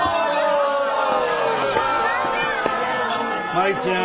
舞ちゃん